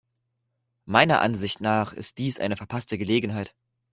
Meiner Ansicht nach ist dies eine verpasste Gelegenheit.